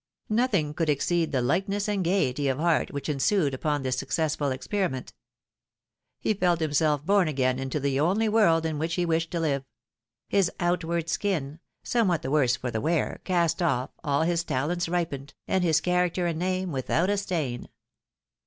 Nothing could exceed the lightness and gaiety of heart which ensued upon this successful experiment. He felt himself born again into the only world in which he wished to hve ; his outward skin, somewhat the worse for the wear, cast off, all his talents ripened, and his character and name without a stain